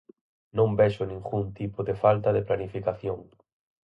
Non vexo ningún tipo de falta de planificación.